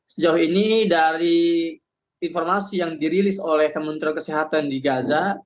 sejauh ini dari informasi yang dirilis oleh kementerian kesehatan di gaza